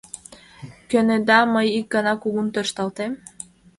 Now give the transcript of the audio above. - Кӧнеда, мый ик гана кугун тӧршталтем?